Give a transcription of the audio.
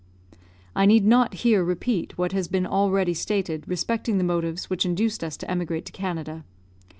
I need not here repeat what has been already stated respecting the motives which induced us to emigrate to Canada.